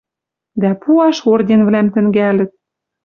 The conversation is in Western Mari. Дӓ пуаш орденвлӓм тӹнгӓлӹт